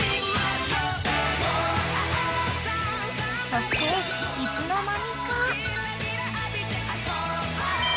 ［そしていつの間にか］